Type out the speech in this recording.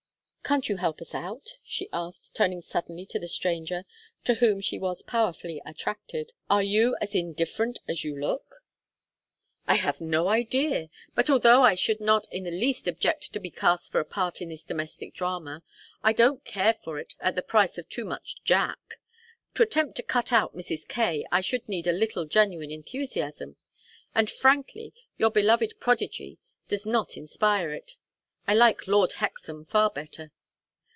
Can't you help us out?" she asked, turning suddenly to the stranger, to whom she was powerfully attracted. "Are you as indifferent as you look?" "I have no idea! But although I should not in the least object to be cast for a part in this domestic drama, I don't care for it at the price of too much 'Jack.' To attempt to cut out Mrs. Kaye I should need a little genuine enthusiasm; and frankly, your beloved prodigy does not inspire it. I like Lord Hexam far better."